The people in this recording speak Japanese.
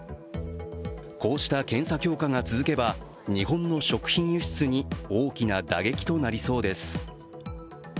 こうした検査強化が続けば、日本の食品輸出に大きな打撃となりそうです。